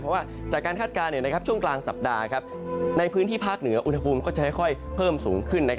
เพราะว่าจากการคาดการณ์ช่วงกลางสัปดาห์ในพื้นที่ภาคเหนืออุณหภูมิก็จะค่อยเพิ่มสูงขึ้น